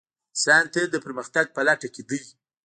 انسان تل د پرمختګ په لټه کې دی.